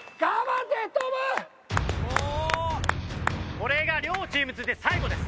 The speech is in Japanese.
これが両チーム最後です。